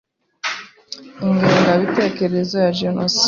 Ingengabitekerezo ya genoside